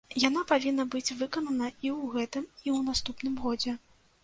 Яна павінна быць выканана і ў гэтым, і ў наступным годзе.